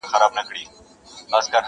د کوثر له حوضه ډکه پیمانه يې،